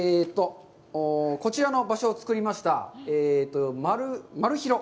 こちらの場所を作りましたマルヒロ。